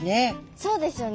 そうですよね。